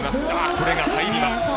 これが入ります。